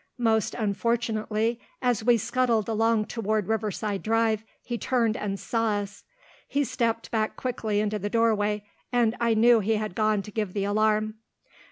Most unfortunately, as we scuttled along toward Riverside Drive, he turned and saw us. He stepped back quickly into the doorway, and I knew he had gone to give the alarm.